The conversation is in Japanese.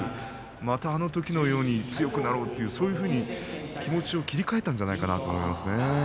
またあのときのように強くなろうというそういうふうに気持ちを切り替えたんじゃないかなと思いますね。